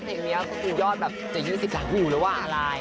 เพลงเนี้ยก็ซึ่งยอดแบบ๒๐หลังผู่แล้วอ่ะ